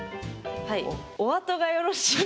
はい。